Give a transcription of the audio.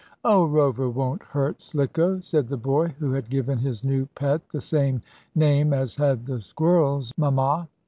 "Oh, Rover won't hurt Slicko," said the boy, who had given his new pet the same name as had the squirrel's mamma.